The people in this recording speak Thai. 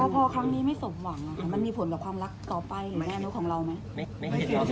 พอครั้งนี้ไม่สมหวังมันมีผลกับความรักต่อไปหรือแม่นกของเราไหม